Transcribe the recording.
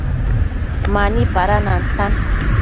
Mani pada nantan